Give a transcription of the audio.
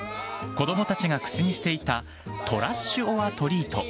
子どもたちが口にしていた、トラッシュオアトリート。